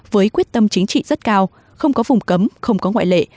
với quyết tâm chính trị rất cao không có vùng cấm không có ngoại lệ